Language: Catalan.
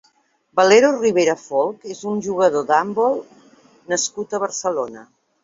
Valero Rivera Folch és un jugador d'handbol nascut a Barcelona.